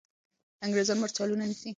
انګریزان مرچلونه نیسي.